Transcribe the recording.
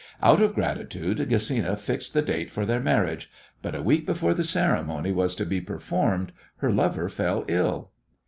Out of gratitude Gesina fixed the date for their marriage, but a week before the ceremony was to be performed her lover fell ill.